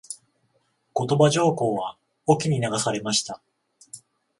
後鳥羽上皇は隠岐に流されました。